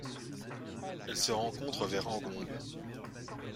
Elle se rencontre vers Engombe.